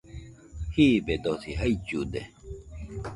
Jiibedosi jaillude